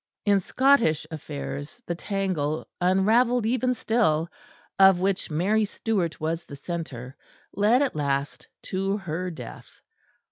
In Scottish affairs, the tangle, unravelled even still, of which Mary Stuart was the centre, led at last to her death.